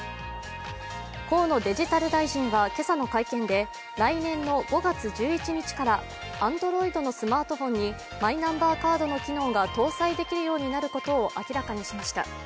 河野デジタル大臣は今朝の会見で来年の５月１１日からＡｎｄｒｏｉｄのスマートフォンにマイナンバーカードの機能が搭載できるようになることを明らかにしました。